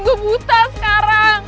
gue buta sekarang